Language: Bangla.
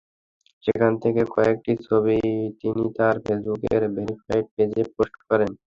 সেখান থেকে কয়েকটি ছবি তিনি তার ফেসবুকের ভেরিফাইড পেজে পোস্ট করেন।